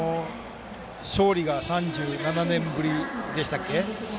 勝利が３７年ぶりでしたっけ。